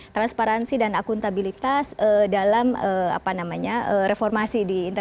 transparansi dan akuntabilitas dalam apa namanya reformasi di provinsi